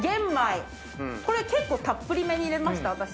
これ結構たっぷりめに入れました私。